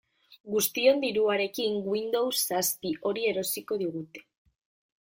Guztion diruarekin Windows zazpi hori erosiko digute.